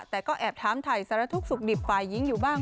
แต่ก็แอบถามถ่ายสารทุกข์สุขดิบฝ่ายหญิงอยู่บ้าง